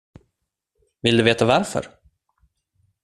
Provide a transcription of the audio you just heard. Vill du veta varför?